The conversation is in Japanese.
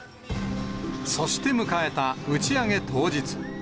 そして迎えた打ち上げ当日。